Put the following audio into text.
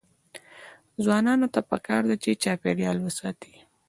ځوانانو ته پکار ده چې، چاپیریال وساتي.